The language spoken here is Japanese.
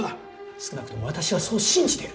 少なくとも私はそう信じている。